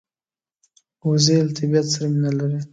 وزې له طبیعت سره مینه لري